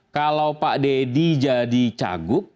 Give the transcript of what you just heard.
kalau pak deddy jadi cagup